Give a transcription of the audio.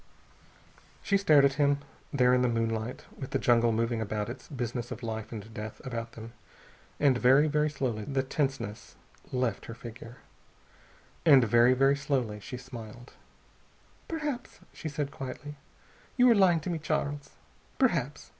She stared at him, there in the moonlight with the jungle moving about its business of life and death about them. And very, very slowly the tenseness left her figure. And very, very slowly she smiled. "Perhaps," she said quietly, "you are lying to me, Charles. Perhaps.